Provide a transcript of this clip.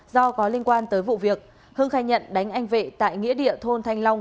do có liên quan tới vụ việc hưng khai nhận đánh anh vệ tại nghĩa địa thôn thanh long